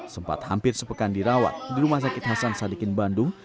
sempat hampir sepekan dirawat di rumah sakit hasan sadikin bandung